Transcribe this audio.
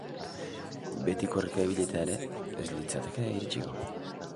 Beti korrika ibilita ere, ez litzateke iritsiko.